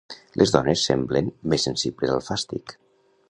Les dones semblen més sensibles al fàstic.